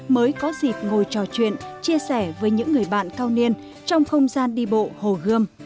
mới có dịp ngồi trò chuyện chia sẻ với những người bạn cao niên trong không gian đi bộ hồ gươm